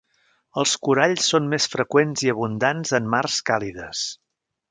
Els coralls són més freqüents i abundants en mars càlides.